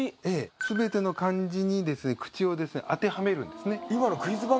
全ての漢字に口を当てはめるんですね。